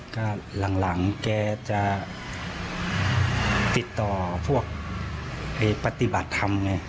ก็หลังแกจะติดต่อพวกปฏิบัติธรรมไง